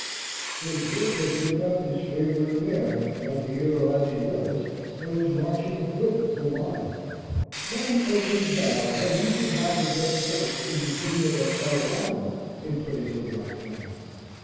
So George had given up his favourite mare, like a hero as he was, and was marching afoot with the line? Madam Esmond vowed that he should have the best horse in Virginia or Carolina in place of Roxana.